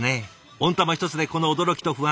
温玉一つでこの驚きと不安。